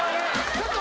ちょっと！